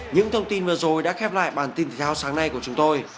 những thông tin vừa rồi đã khép lại bản tin thị thao sáng nay của chúng tôi